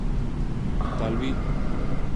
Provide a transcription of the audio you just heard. اطالوی